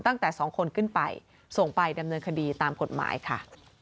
ตั้งแต่๒คนขึ้นไปส่งไปดำเนินคดีตามกฎหมายค่ะ